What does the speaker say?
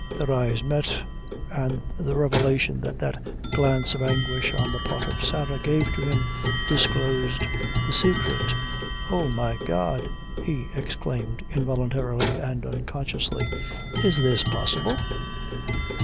Their eyes met, and the revelation that that glance of anguish, on the part of Sarah, gave to him, disclosed the secret. "Oh, my God!" he exclaimed, involuntarily and unconsciously, "is this possible?"